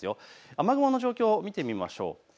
雨雲の状況を見ていきましょう。